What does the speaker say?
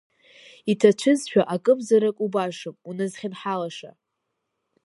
Иҭацәызшәа, акымзарак убашам уназхьын-ҳалаша…